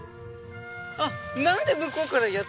あっなんで向こうからやってきたの？